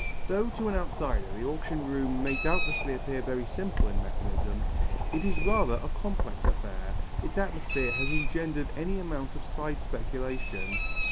Though to an outsider, the auction room may doubtlessly appear very simple in mechanism, it is rather a complex affair; its atmosphere has engendered any amount of side speculation.